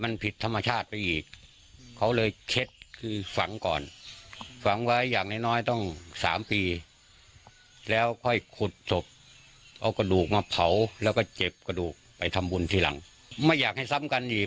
แล้วเอาเสาปูนที่ปากไว้นี่